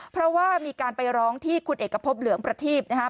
เพราะว่ามีการไปร้องที่คุณเอกพบเหลืองประทีบนะครับ